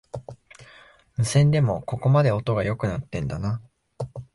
無線でもここまで音が良くなってんだな